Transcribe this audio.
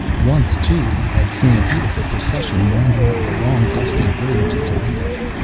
Once, too, he had seen a beautiful procession winding up the long dusty road to Toledo.